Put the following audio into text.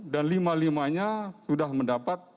dan lima limanya sudah mendapat